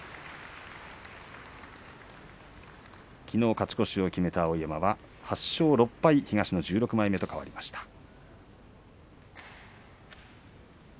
きのう勝ち越しを決めた碧山は８勝６敗東の１６枚目と変わりました。